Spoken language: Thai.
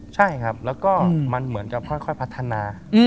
ใช่ครับแล้วก็มันเหมือนกับค่อยพัฒนา